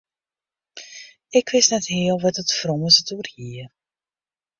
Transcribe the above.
Ik wist net heal wêr't it frommes it oer hie.